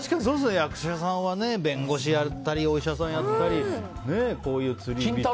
役者さんは弁護士やったりお医者さんやったりこういう釣りをやったり。